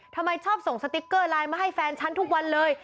ทำไมชอบส่งสติ๊กเกอร์ไลน์มาให้แฟนฉันทุกวันเลย